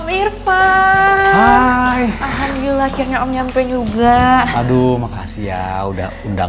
ternyata tamu agungnya sudah datang